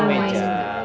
oh mama ini meja